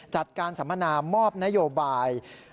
จัดการสัมมนามอบนโยบาย